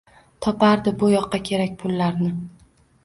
Topardi bo’yoqqa kerak pullarni.